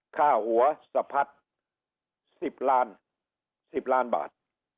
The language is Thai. ค่าหัวสะพัด๑๐ล้านบาท